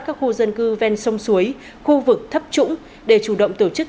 các khu dân cư ven sông suối khu vực thấp trũng để chủ động tổ chức